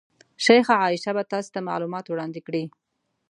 شیخه عایشه به تاسې ته معلومات وړاندې کړي.